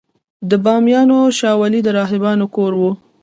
د بامیانو شاولې د راهبانو کور و